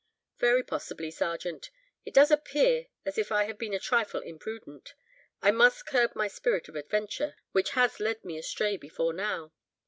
"Very possibly, Sergeant. It does appear as if I had been a trifle imprudent. I must curb my spirit of adventure, which has led me astray before now.